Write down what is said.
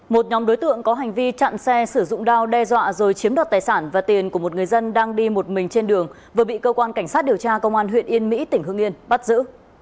một nhóm đối tượng có hành vi chặn xe sử dụng đao đe dọa rồi chiếm đoạt tài sản và tiền của một người dân đang đi một mình trên đường vừa bị cơ quan cảnh sát điều tra công an huyện yên mỹ tỉnh hương yên bắt giữ